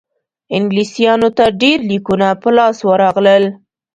انګلیسیانو ته ډېر لیکونه په لاس ورغلل.